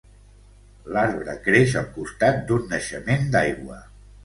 L'arbre creix al costat d'un naixement d'aigua.